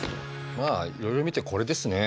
まあいろいろ見てこれですね。